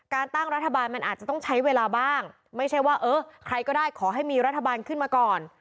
ตั้งรัฐบาลมันอาจจะต้องใช้เวลาบ้างไม่ใช่ว่าเออใครก็ได้ขอให้มีรัฐบาลขึ้นมาก่อน